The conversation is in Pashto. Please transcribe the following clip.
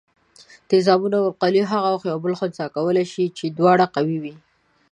تیزابونه او القلي هغه وخت یو بل خنثي کولای شي چې دواړه قوي وي.